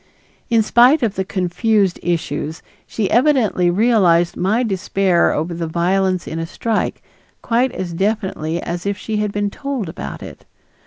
In spite of the confused issues, she evidently realized my despair over the violence in a strike quite as definitely as if she had been told about it.